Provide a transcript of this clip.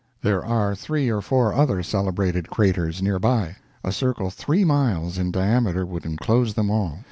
There are three or four other celebrated craters near by a circle three miles in diameter would enclose them all.